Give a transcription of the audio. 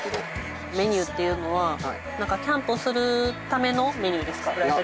メニューっていうのはキャンプをするためのメニューですか？